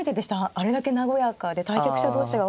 あれだけ和やかで対局者同士がお話しに。